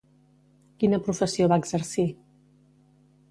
Quina professió va exercir?